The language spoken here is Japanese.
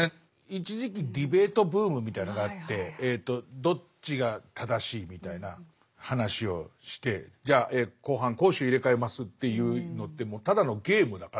一時期ディベートブームみたいのがあってどっちが正しいみたいな話をしてじゃあ後半攻守入れ替えますっていうのってもうただのゲームだから。